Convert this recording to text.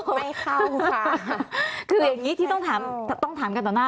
ไม่เข้าค่ะคืออย่างนี้ที่ต้องถามต้องถามกันต่อหน้า